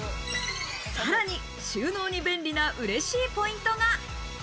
さらに収納に便利な嬉しいポイントが。